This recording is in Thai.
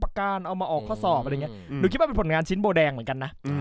๑๒ประการเอามาออกข้อสอบหนูคิดว่าเป็นผลงานชิ้นโบแดงเหมือนกันนะ